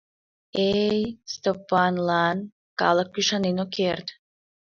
Э-эй, Сто-пан-лан калык ӱшанен ок керт!